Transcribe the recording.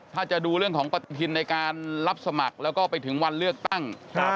ถ้าจะดูเรื่องของปฏิทินในการรับสมัครแล้วก็ไปถึงวันเลือกตั้ง